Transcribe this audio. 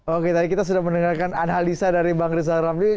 oke tadi kita sudah mendengarkan analisa dari bang rizal ramli